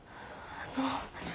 あの！